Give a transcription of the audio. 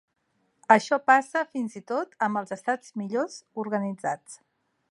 Això passa fins i tot amb els estats millor organitzats.